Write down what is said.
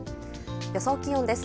予想気温です。